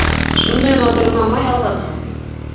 Шундай матур маъмай алғанһығыҙ!